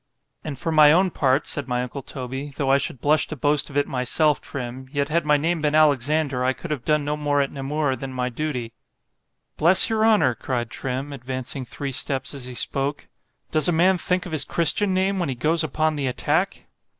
_——And for my own part, said my uncle Toby, though I should blush to boast of myself, Trim——yet had my name been Alexander, I could have done no more at Namur than my duty.—Bless your honour! cried Trim, advancing three steps as he spoke, does a man think of his christian name when he goes upon the attack?